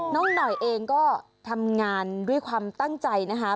น้องหน่อยเองก็ทำงานด้วยความตั้งใจนะคะ